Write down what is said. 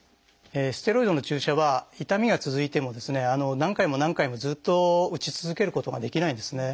ステロイドの注射は痛みが続いてもですね何回も何回もずっと打ち続けることができないんですね。